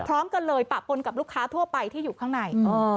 พร้อมกันเลยปะปนกับลูกค้าทั่วไปที่อยู่ข้างใน